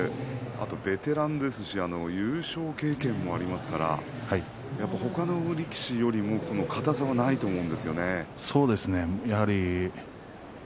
あとベテランですし優勝経験もありますからやっぱり他の力士よりも硬さはないと思うんですよね。